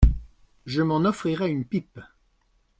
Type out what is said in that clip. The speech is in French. Je m’en offrirai une pipe.